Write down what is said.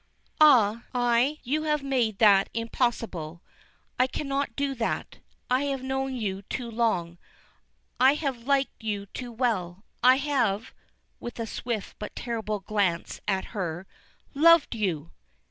"Ah I You have made that impossible! I cannot do that. I have known you too long, I have liked you too well. I have," with a swift, but terrible glance at her, "loved you!"